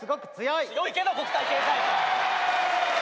強いけど国際経済科。